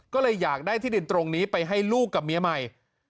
ก็เลยอยากได้ที่ดินตรงนี้ไปให้ลูกกับเมียใหม่